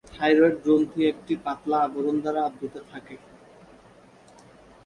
Thyroid গ্রন্থি একটি পাতলা আবরণ দ্বারা আবৃত থাকে।